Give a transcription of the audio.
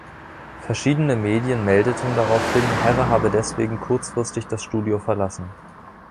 Verschiedene Medien meldeten daraufhin, Herre habe deswegen kurzfristig das Studio verlassen.